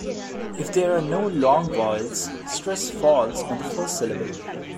If there are no long vowels, stress falls on the first syllable.